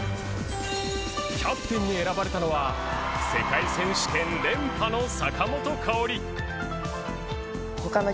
キャプテンに選ばれたのは世界選手権連覇の坂本花織。